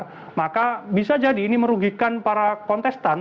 kalau ini menggelinding liar maka bisa jadi ini merugikan para kontestan